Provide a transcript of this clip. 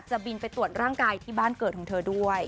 บินไปตรวจร่างกายที่บ้านเกิดของเธอด้วย